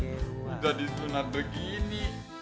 udah disunat begini